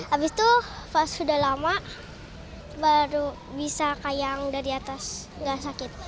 abis itu pas sudah lama baru bisa kayang dari atas gak sakit